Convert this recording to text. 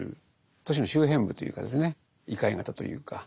都市の周辺部というか異界型というか。